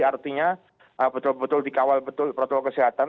artinya betul betul dikawal betul protokol kesehatan